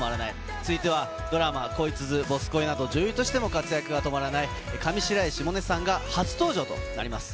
続いてはドラマ、こいつづ、女優としての活躍が止まらない上白石萌音さんが初登場となります。